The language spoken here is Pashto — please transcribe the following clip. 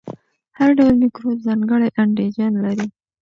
هر ډول میکروب ځانګړی انټيجن لري.